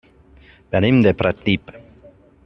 Venim de Pratdip.